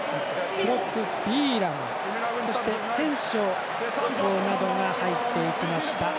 プロップ、ビーラムヘンショーなどが入っていきました。